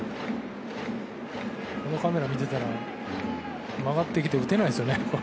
このカメラ見てたら曲がってきて打てないですよね。